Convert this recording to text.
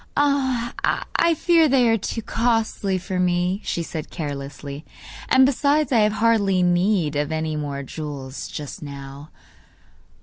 'I fear they are too costly for me,' she said carelessly; 'and besides, I have hardly need of any more jewels just now.